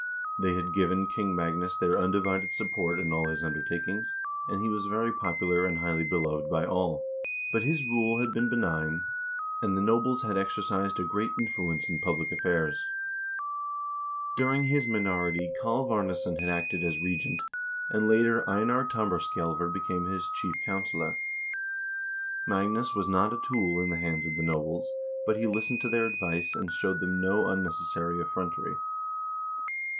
They had given King Magnus their undivided support in all his undertakings, and he was very popular and highly beloved by all. But his rule had been benign, and the nobles had exercised a great influence in public affairs. During his minority Kalv Ames son had acted as regent, and later Einar Tambarskja^lver became his chief counselor. Magnus was not a tool in the hands of the nobles, but he listened to their advice, and showed them no unnecessary effrontery.